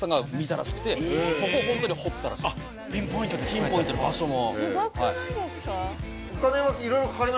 ピンポイントで場所も。